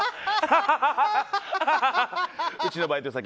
うちのバイト先